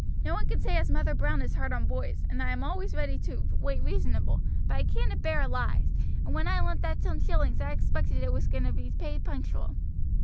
No one can say as Mother Brown is hard on boys, and I am always ready to wait reasonable; but I can't abear lies, and when I lent that ten shillings I expected it was going to be paid punctual."